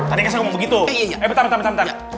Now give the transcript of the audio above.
eh bentar bentar bentar